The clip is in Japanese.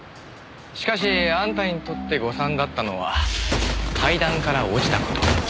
しかしあんたにとって誤算だったのは階段から落ちた事。